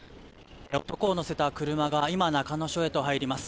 男を乗せた車が今中野署へと入ります。